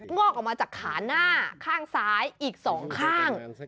งอกออกมาจากขาหน้าข้างซ้ายอีก๒ข้าง